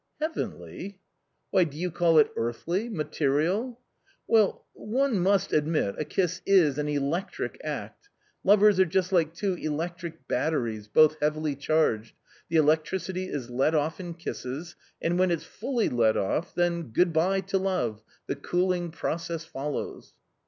" Heavenly !"" Why, do you call it earthly, material ?"" Well, one must admit a kiss is an electric act ; lovers are just like two electric batteries, both heavily charged; the electricity is let off in kisses, and when it's fully let off — then good bye to love, the cooling process follows."